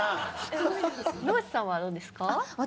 野口さんはどうですか？